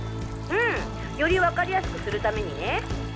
うん！よりわかりやすくするためにね。